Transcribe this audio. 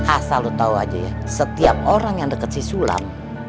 asal lo tau aja ya setiap orang yang dekat si sulam